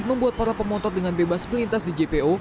membuat para pemotor dengan bebas melintas di jpo